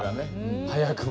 早くも。